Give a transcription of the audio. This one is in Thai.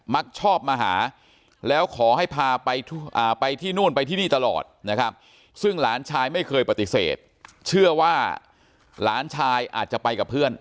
มักชอบมาหาแล้วขอให้พาไปที่นู่นไปที่นี่ตลอดนะครับ